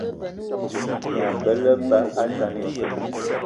Mabe á lebá atane ísogò